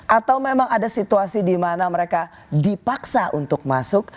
atau memang ada situasi di mana mereka dipaksa untuk masuk